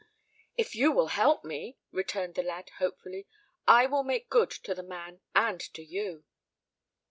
"If you will help me," returned the lad hopefully, "I will make good to the man and to you."